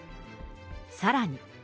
さらに。